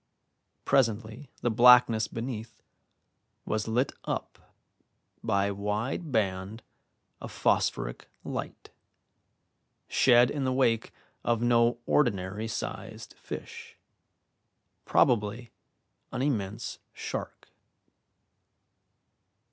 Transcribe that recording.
Presently the blackness beneath was lit up by a wide band of phosphoric light, shed in the wake of no ordinary sized fish, probably an immense shark.